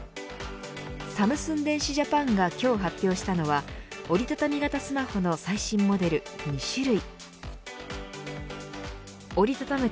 サムスン電子ジャパンが今日発表したのは折り畳み型スマホの最新モデル２種類。